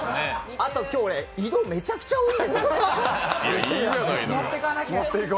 今日俺、移動めちゃくちゃ多いんですよ。